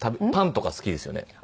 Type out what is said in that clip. パンとか好きですよね？